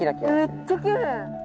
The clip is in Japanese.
めっちゃきれい！